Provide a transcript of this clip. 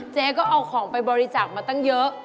เจ๊ก็เอาของไปบริจาคมาตั้งเยอะ